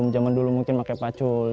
zaman dulu mungkin pakai pacul